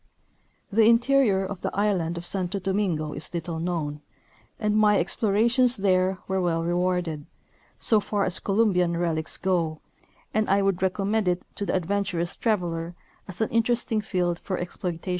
The interior of the island of Santo Domingo is little known, and my explorations there were well rewarded, so far as Colum bian relics go, and I would recommend it to the adventurous traveller as an interesting field for exploitation.